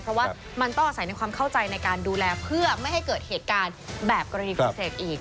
เพราะว่ามันต้องอาศัยในความเข้าใจในการดูแลเพื่อไม่ให้เกิดเหตุการณ์แบบกรณีพิเศษอีก